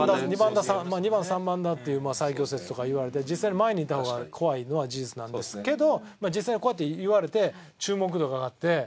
２番３番だっていう最強説とか言われて実際に前にいた方が怖いのは事実なんですけど実際にこうやって言われて注目度が上がって。